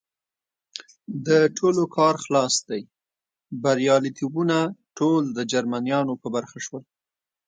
د ټولو کار خلاص دی، بریالیتوبونه ټول د جرمنیانو په برخه شول.